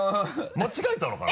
間違えたのかな？